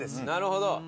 なるほど。